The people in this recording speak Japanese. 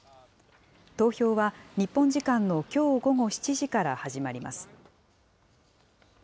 投票は日本時間のきょう午後７時から始まります。